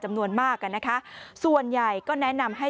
จำนวนมากอ่ะนะคะส่วนใหญ่ก็แนะนำให้